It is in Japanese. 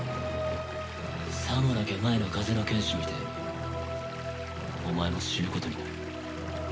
さもなきゃ前の風の剣士みてえにお前も死ぬことになる。